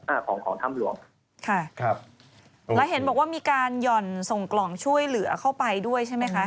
อ่าของของถ้ำหลวงค่ะครับแล้วเห็นบอกว่ามีการหย่อนส่งกล่องช่วยเหลือเข้าไปด้วยใช่ไหมคะ